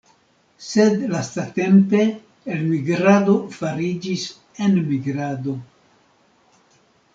Sed lastatempe elmigrado fariĝis enmigrado.